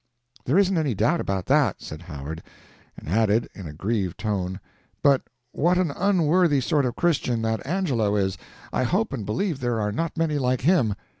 "There isn't any doubt about that," said Howard, and added, in a grieved tone, "but what an unworthy sort of Christian that Angelo is I hope and believe there are not many like him.